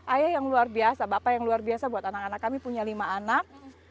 ayah yang luar biasa bapak yang luar biasa buat anak anak kami punya lima anak